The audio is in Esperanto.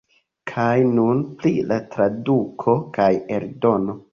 Kaj nun pri la traduko kaj eldono.